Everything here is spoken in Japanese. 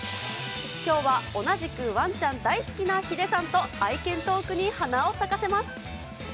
きょうは同じくワンちゃん大好きなヒデさんと、愛犬トークに花を咲かせます。